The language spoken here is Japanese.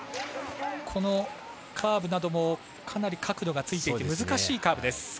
カーブなどもかなり角度がついていて難しいカーブです。